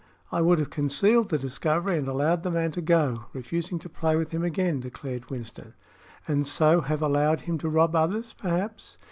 I would have concealed the discovery and allowed the man to go, refusing to play with him again," declared Winston. "And so have allowed him to rob others, perhaps?"